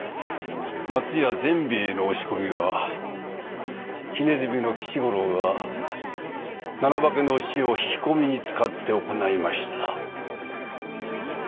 松屋善兵衛への押し込みは木鼠の吉五郎が七化けのお千代を引き込みに使って行いました。